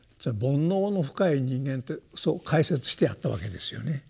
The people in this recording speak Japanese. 煩悩の深い人間ってそう解説してあったわけですよね。